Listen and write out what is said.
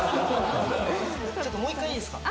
ちょっともう一回いいですか？